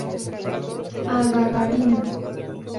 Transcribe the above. A. Gagarin.